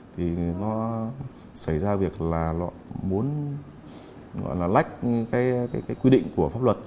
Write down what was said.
thì nó xảy ra việc là họ muốn lách cái quy định của pháp luật